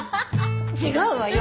違うわよ！